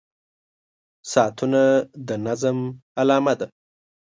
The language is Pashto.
• ساعتونه د نظم علامه ده.